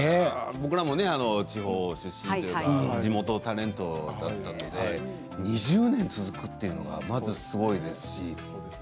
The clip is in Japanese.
僕らも地方出身の地元タレントでしたけど２０年続くというのはすごいですし。